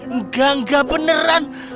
enggak enggak beneran